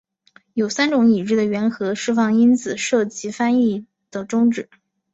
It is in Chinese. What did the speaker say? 有三种已知的原核释放因子涉及翻译的终止。